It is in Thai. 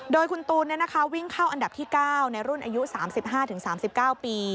โดยคุณตูนวิ่งเข้าอันดับที่๙ในรุ่นอายุ๓๕๓๙ปี